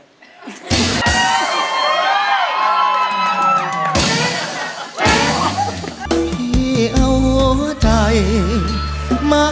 กราบกล้วยครับ